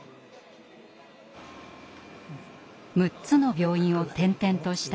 ６つの病院を転々とした